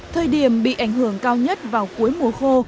thời điểm bị ảnh hưởng cao nhất vào cuối mùa khô